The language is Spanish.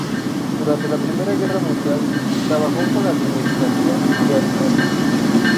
Durante la Primera Guerra Mundial, trabajó con la Administración de Alimentos.